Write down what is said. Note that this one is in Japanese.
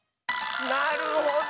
なるほど！